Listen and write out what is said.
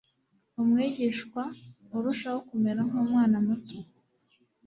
Umwigishwa urushaho kumera nk'umwana muto,